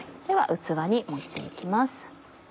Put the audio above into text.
では器に盛って行きます。